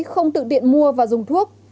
không tự tiện mua và dùng thuốc